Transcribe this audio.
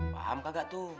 paham kagak tuh